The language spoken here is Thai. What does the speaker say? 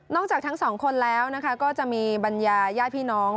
นอกจากทั้งสองคนแล้วนะคะก็จะมีบรรยาย่าพี่น้อง